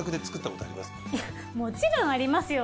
もちろんありますよ。